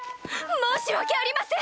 申し訳ありません！